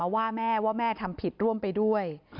ว่าแม่ทำผิดร่วมไปด้วย